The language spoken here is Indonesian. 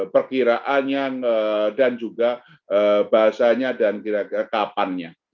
perkiraan dan juga bahasanya dan kira kira kapannya